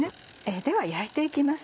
では焼いて行きます。